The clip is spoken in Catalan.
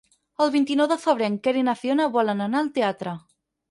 El vint-i-nou de febrer en Quer i na Fiona volen anar al teatre.